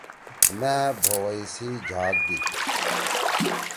مأ بھوئی سی جھاگ دیِد۔